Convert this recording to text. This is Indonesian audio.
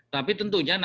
tapi tentunya nanti